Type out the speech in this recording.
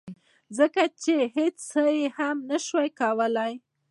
ځکه چې هیڅ څه هم نشي کولی